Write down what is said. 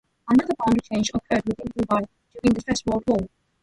Another boundary change occurred within Kilby during the First World War.